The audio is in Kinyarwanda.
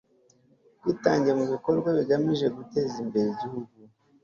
ubwitange mu bikorwa bigamije guteza imbere igihugu